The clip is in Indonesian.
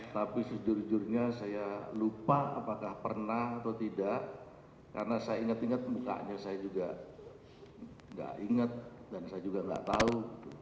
tapi sejujurnya saya lupa apakah pernah atau tidak karena saya ingat ingat mukanya saya juga enggak ingat dan saya juga enggak tahu